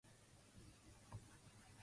稚内